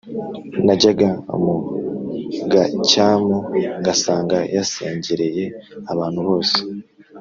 Najyaga mu gacyamu ngasanga yasengereye abantu bose